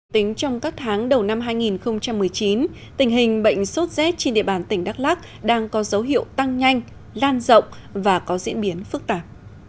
tính trong các tháng đầu năm hai nghìn một mươi chín tình hình bệnh sốt rét trên địa bàn tỉnh đắk lắc đang có dấu hiệu tăng nhanh lan rộng và có diễn biến phức tạp